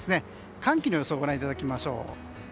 寒気の予想をご覧いただきましょう。